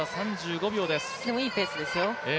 でも、いいペースですよ。